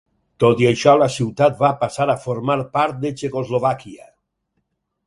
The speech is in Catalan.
Tot i això, la ciutat va passar a formar part de Txecoslovàquia.